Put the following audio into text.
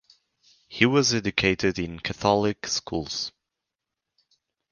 He was educated in Catholic schools.